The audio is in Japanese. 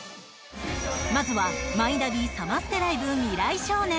まずは「マイナビサマステライブ未来少年」。